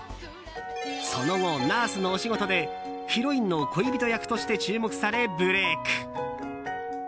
その後、「ナースのお仕事」でヒロインの恋人役として注目され、ブレーク。